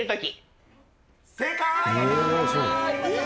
正解！